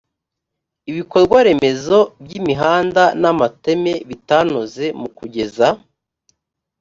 ibikorwaremezo by imihanda n amateme bitanoze mu kugeza